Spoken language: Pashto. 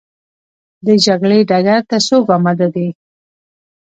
د جګړې ډګر ته څوک اماده دي؟